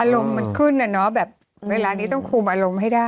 อารมณ์มันขึ้นนะเนาะแบบเวลานี้ต้องคุมอารมณ์ให้ได้